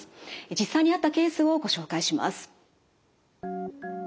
実際にあったケースをご紹介します。